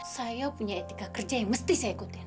saya punya etika kerja yang mesti saya ikutin